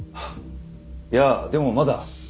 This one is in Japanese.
いやでもまだ。